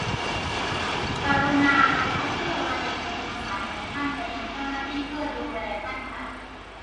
กรุณารอสักครู่ ระบบจะโอนสายของท่านไปยังเจ้าหน้าที่ เพื่อดูแลท่านค่ะ